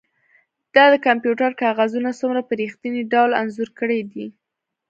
تا د کمپیوټر کاغذونه څومره په ریښتیني ډول انځور کړي دي